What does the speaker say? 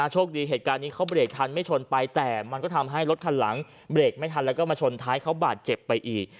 โชคดีเหตุการณ์นี้เขาเบรกทันไม่ชนไปแต่มันก็ทำให้รถคันหลังเบรกไม่ทันแล้วก็มาชนท้ายเขาบาดเจ็บไปอีก